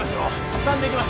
３でいきます